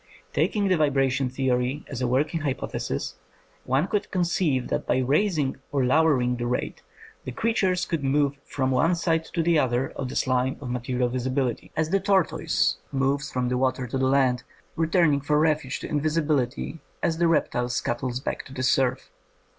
Taking the vibration theory as a working hypothesis, one could conceive that by rais ing or lowering the rate the creatures could move from one side to the other of this line of material visibility, as the tortoise moves 124 INDEPENDENT EVIDENCE FOR FAIRIES from the water to the land, returning for refuge to invisibility as the reptile scuttles back to the surf.